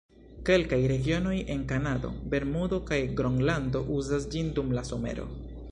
Kelkaj regionoj en Kanado, Bermudo kaj Gronlando uzas ĝin dum la somero.